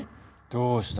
どうした？